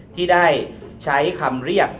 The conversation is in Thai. ที่ได้ใช้คำเรียก